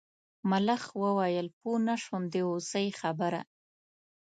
ملخ وویل پوه نه شوم د هوسۍ خبره.